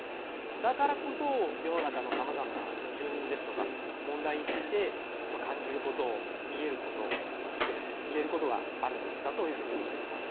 だからこそ世の中のさまざまな矛盾ですとか問題について感じること見えることそして、言えることがあるんだというふうに思います。